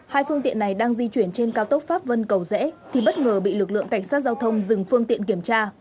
hai phương tiện này đang di chuyển trên cao tốc pháp vân cầu rẽ thì bất ngờ bị lực lượng cảnh sát giao thông dừng phương tiện kiểm tra